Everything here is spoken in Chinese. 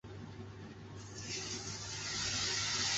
威士汀对于酒店地点的选择偏好集中在城市中的中心商业区。